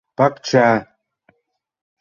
Пакча.